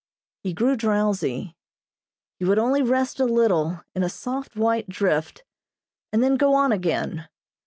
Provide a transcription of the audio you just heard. He grew drowsy. He would only rest a little in a soft white drift, and then go on again.